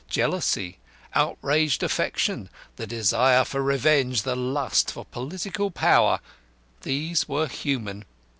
Jealousy, outraged affection, the desire for revenge, the lust for political power these were human.